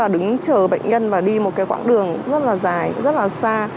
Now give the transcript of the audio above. đứng chờ bệnh nhân và đi một cái quãng đường rất là dài rất là xa